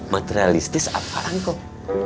materialistis apaan kok